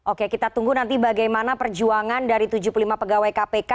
oke kita tunggu nanti bagaimana perjuangan dari tujuh puluh lima pegawai kpk